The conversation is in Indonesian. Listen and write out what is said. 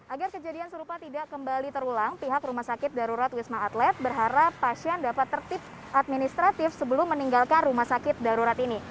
agar kejadian serupa tidak kembali terulang pihak rumah sakit darurat wisma atlet berharap pasien dapat tertip administratif sebelum meninggalkan rumah sakit darurat ini